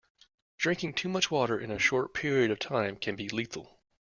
Drinking too much water in a short period of time can be lethal.